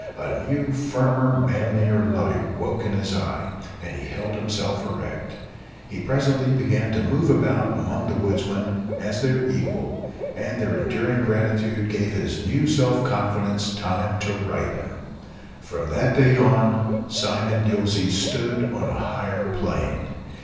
A new, firmer, manlier light woke in his eye, and he held himself erect. He presently began to move about among the woodsmen as their equal, and their enduring gratitude gave his new self confidence time to ripen. From that day Simon Gillsey stood on a higher plane.